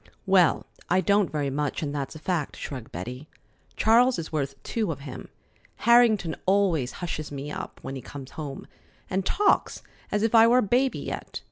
"Well, I don't very much, and that's a fact," shrugged Betty. "Charles is worth two of him. Harrington always hushes me up when he comes home, and talks as if I were a baby yet.